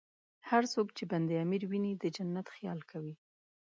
هر څوک چې بند امیر ویني، د جنت خیال کوي.